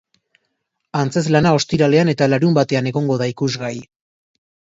Antzezlana ostiralean eta larunbatean egongo da ikusgai.